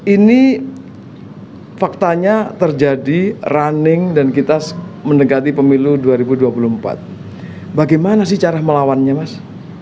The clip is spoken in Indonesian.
ini faktanya terjadi running dan kita mendekati pemilu dua ribu dua puluh empat bagaimana sih cara melawannya mas